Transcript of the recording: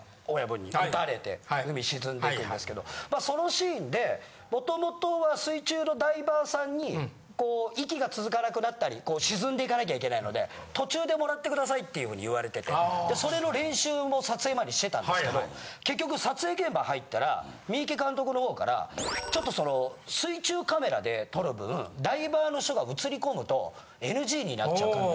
まあそのシーンで元々は水中のダイバーさんにこう息が続かなくなったり沈んでいかなきゃいけないので途中でもらってくださいっていうふうに言われててそれの練習も撮影前にしてたんですけど結局撮影現場入ったら三池監督のほうからちょっとその水中カメラで撮る分ダイバーの人が映り込むとＮＧになっちゃうから。